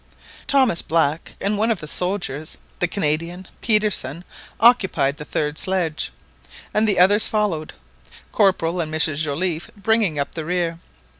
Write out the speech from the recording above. Thomas Black and one of the soldiers, the Canadian, Petersen, occupied the third sledge ;and the others followed, Corporal and Mrs Joliffe bringing up the rear.